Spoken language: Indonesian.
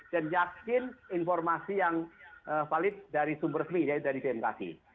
dan nyatakan informasi yang valid dari sumber resmi yaitu dari pmkc